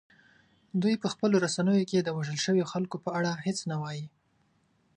دوی په خپلو رسنیو کې د وژل شویو خلکو په اړه هیڅ نه وايي